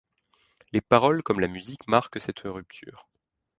Les paroles comme la musique marquent cette rupture.